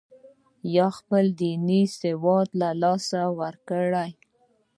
یا خپل دیني سواد له لاسه ورکړي.